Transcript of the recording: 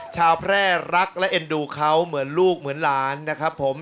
แพร่รักและเอ็นดูเขาเหมือนลูกเหมือนหลานนะครับผม